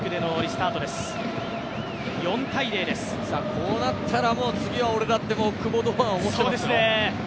こうなったら次は俺だって久保と堂安は思っているでしょうね。